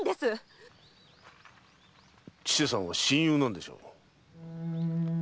千世さんは親友なんでしょう？